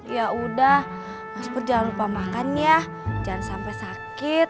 ya udah mas put jangan lupa makan ya jangan sampai sakit